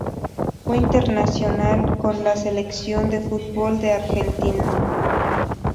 Fue internacional con la Selección de fútbol de Argentina.